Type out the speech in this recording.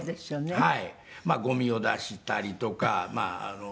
はい。